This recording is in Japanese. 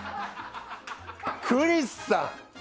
クリスさん？